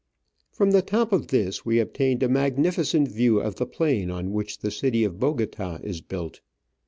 From the top of this we obtained a magni ficent view of the plain on which the city of Bogota is built.